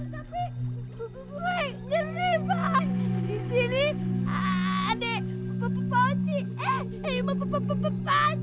tapi woi jenri bang disini ada poci eh iya pacong